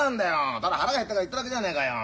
ただ腹が減ったから言っただけじゃねえかよ。